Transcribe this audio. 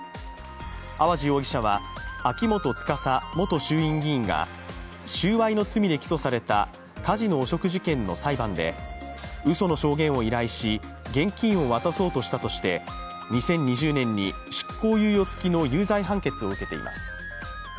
淡路容疑者は秋元司元衆院議員が収賄の罪で起訴されたカジノ汚職事件の裁判でうその証言を依頼し現金を渡そうとしたとして２０２０年に執行猶予付きの有罪判決を受けています。